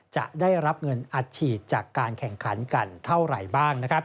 จะได้รับเงินอัดฉีดจากการแข่งขันกันเท่าไหร่บ้าง